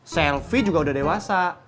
selvi juga udah dewasa